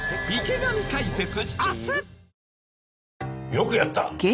よくやった！